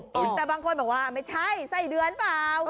แต่บางคนบอกว่าไม่ใช่ไส้เดือนเปล่า